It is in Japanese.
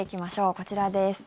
こちらです。